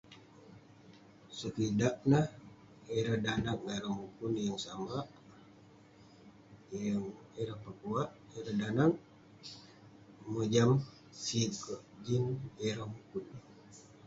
Sekidak neh, ireh danag ngan ireh mukun yeng samak. Yeng ireh pekuak. Ireh danag mojam sig kek jin ireh mukun.